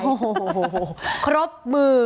โอ้โหครบมือ